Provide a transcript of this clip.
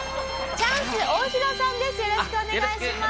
よろしくお願いします。